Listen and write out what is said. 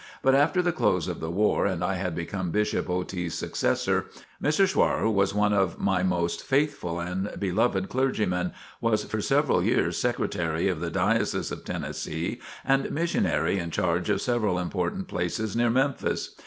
But after the close of the war and I had become Bishop Otey's successor, Mr. Schwrar was one of my most faithful and beloved clergymen, was for several years secretary of the Diocese of Tennessee and missionary in charge of several important places near Memphis.